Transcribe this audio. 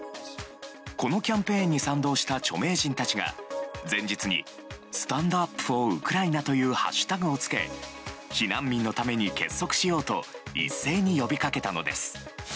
このキャンペーンに賛同した著名人たちが前日に「＃ＳｔａｎｄＵｐＦｏｒＵｋｒａｉｎｅ」というハッシュタグをつけ避難民のために結束しようと一斉に呼びかけたのです。